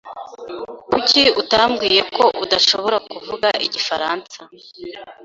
Kuki utambwiye ko adashobora kuvuga igifaransa?